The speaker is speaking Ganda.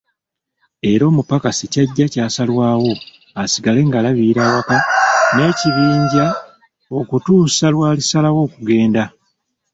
Era omupakasi Kyajja kyasalwawo asigale ng'alabirira awaka n'ekibanja okutuusa lw'alisalawo okugenda.